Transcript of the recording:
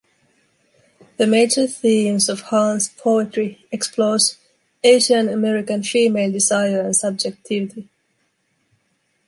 The major themes of Hahn's poetry explores Asian American female desire and subjectivity.